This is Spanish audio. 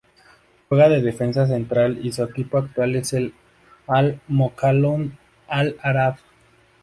Juega de defensa central y su equipo actual es el Al-Mokawloon Al-Arab.